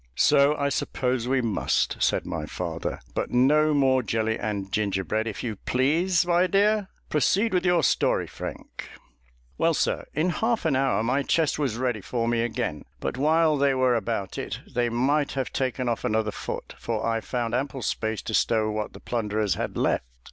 "So I suppose we must," said my father; "but no more jelly and ginger bread, if you please, my dear. Proceed with your story, Frank." "Well, sir, in half an hour my chest was ready for me again; but while they were about it, they might have taken off another foot, for I found ample space to stow what the plunderers had left.